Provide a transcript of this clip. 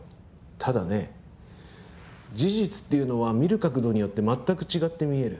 ただね事実っていうのは見る角度によって全く違って見える。